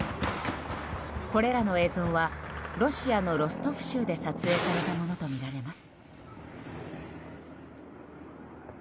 これらの映像はロシアのロストフ州で撮影されたものとみられます。